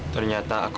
terima kasih bu